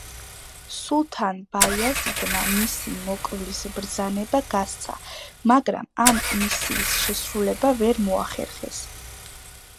სულთან ბაიაზიდმა მისი მოკვლის ბრძანება გასცა, მაგრამ ამ მისიის შესრულება ვერ მოახერხეს.